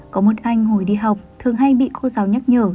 có một anh hồi đi học thường hay bị khô rào nhắc nhở